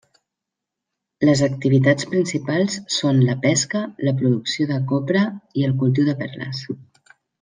Les activitats principals són la pesca, la producció de copra i el cultiu de perles.